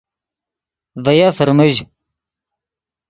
ڤے یف فرمژ